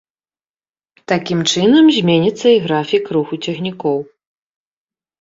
Такім чынам, зменіцца і графік руху цягнікоў.